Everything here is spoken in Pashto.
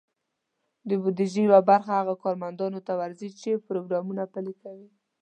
د بودیجې یوه برخه هغه کارمندانو ته ورځي، چې پروګرامونه پلي کوي.